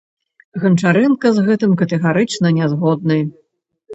Ганчарэнка з гэтым катэгарычна не згодны.